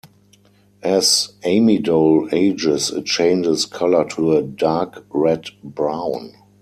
As amidol ages it changes color to a dark red-brown.